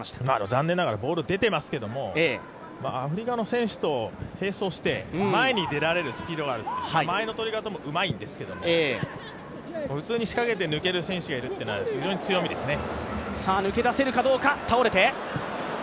残念ながら、ボール出てますけどもアフリカの選手と並走して前に出られるスピードがあると間合いのとり方もうまいんですけれども、普通に仕掛けて、抜ける選手がいるっていうのは強みですね。